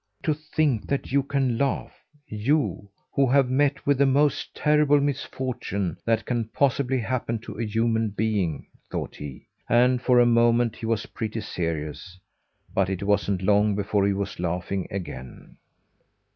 "To think that you can laugh; you, who have met with the most terrible misfortune that can possibly happen to a human being!" thought he. And for a moment he was pretty serious; but it wasn't long before he was laughing again.